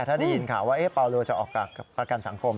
ถ้าได้ยินข่าวว่าเปาโลจะออกจากประกันสังคม